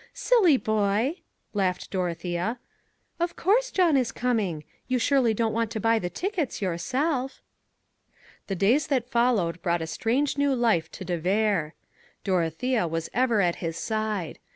"Silly boy," laughed Dorothea. "Of course John is coming. You surely don't want to buy the tickets yourself." ....... The days that followed brought a strange new life to de Vere. Dorothea was ever at his side.